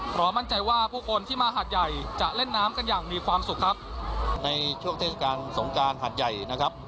มั่นใจว่าผู้คนที่มาหาดใหญ่จะเล่นน้ำกันอย่างมีความสุขครับในช่วงเทศกาลสงการหาดใหญ่นะครับ